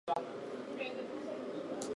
کبھی میرے گریباں کو‘ کبھی جاناں کے دامن کو